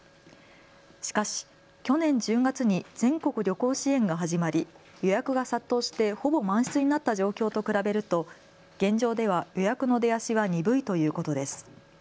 しかし去年１０月に全国旅行支援が始まり予約が殺到してほぼ満室になった状況と比べると現状では予約の出足は鈍いということです。